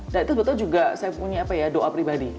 dan itu sebetulnya juga saya punya apa ya doa pribadi